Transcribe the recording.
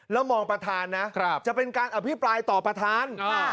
แล้วมองประธานนะจะเป็นการอภิปรายต่อประธาน